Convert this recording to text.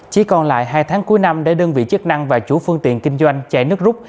chỉ còn lại hai tháng cuối năm để đơn vị chức năng và chủ phương tiện kinh doanh chạy nước rút